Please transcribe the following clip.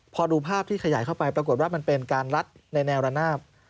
พอดูภาพที่ขยายเข้าไปปรากฏว่ามันเป็นการรัดในแนวระนาบ